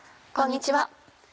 こんにちは。